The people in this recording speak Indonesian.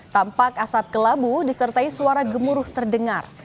tampak asap kelabu disertai suara gemuruh terdengar